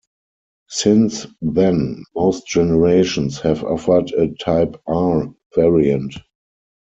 Since then, most generations have offered a Type R variant.